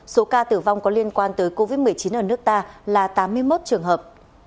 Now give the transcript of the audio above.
số ca tử vong có liên quan tới covid một mươi chín ở nước ta là tám mươi một trường hợp